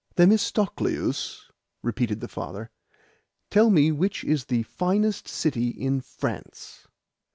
"Themistocleus," repeated the father, "tell me which is the finest city in France."